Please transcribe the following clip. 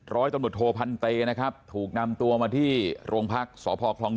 ร้อยตำรวจโทพันเตนะครับถูกนำตัวมาที่โรงพักษ์สพคลอง